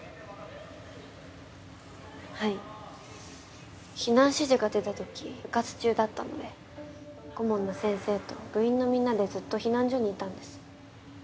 はい避難指示が出たとき部活中だったので顧問の先生と部員のみんなでずっと避難所にいたんです。